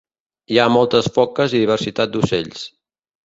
Hi ha moltes foques i diversitat d'ocells.